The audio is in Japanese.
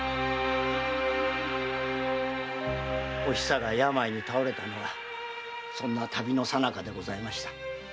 おひさが病に倒れたのはそんな旅のさなかでした。